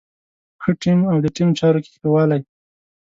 ښه ټيم او د ټيم چارو کې ښه والی.